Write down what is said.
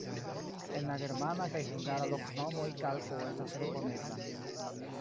En la germana kaj hungara loknomoj kalko estas rekonebla.